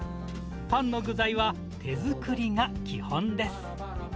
パンの具材は手作りが基本です。